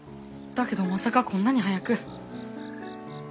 だけどまさかこんなに早く。